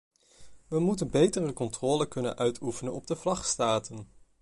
We moeten betere controle kunnen uitoefenen op de vlagstaten.